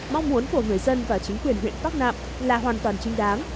mong muốn của người dân và chính quyền huyện bắc nạm là hoàn toàn chính đáng